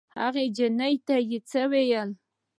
هغې نجلۍ ته یې څه وویل.